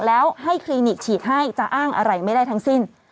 แล้วให้คลินิกฉีดให้จะอ้างอะไรไม่ได้ทั้งสิ้น